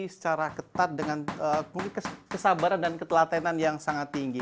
secara ketat dengan kesabaran dan ketelatenan yang sangat tinggi